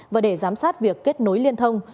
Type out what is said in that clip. và để giám sát việc kết nối liên thông